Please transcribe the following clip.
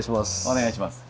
お願いします。